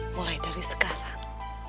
mulai dari sekarang